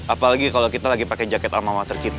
apalagi kalau kita lagi pakai jaket alma water kita